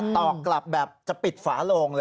ต่อกลับแบบจะปิดฝาโลงเลย